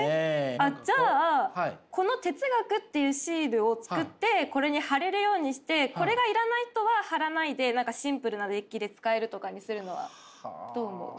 あっじゃあこの「哲学」っていうシールを作ってこれに貼れるようにしてこれが要らない人は貼らないで何かシンプルなデッキで使えるとかにするのはどう思う？